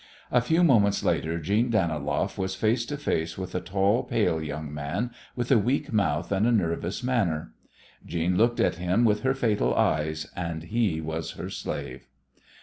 A few moments later Jeanne Daniloff was face to face with a tall, pale young man with a weak mouth and a nervous manner. Jeanne looked at him with her fatal eyes, and he was her slave.